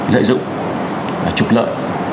lợi dụng trục lợi